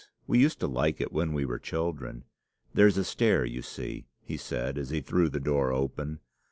We used to like it when we were children.' 'There's a stair, you see,' he said, as he threw the door open.